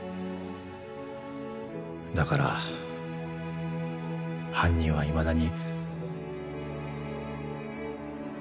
だから犯人はいまだに。